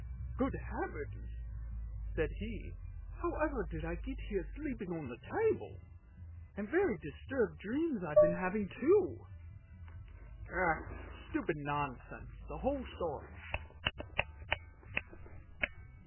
" Good heavens! " said he, " however did I get here sleeping on the table, and very disturbed dreams I've been having too! Stupid nonsense the whole story!